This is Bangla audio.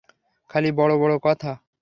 খালি বড়ো বড়ো কথা!